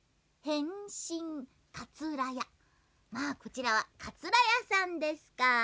こちらはかつらやさんですか。